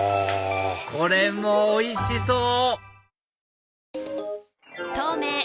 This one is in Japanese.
これもおいしそう！